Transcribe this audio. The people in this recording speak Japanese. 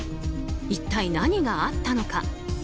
一体何があったのか。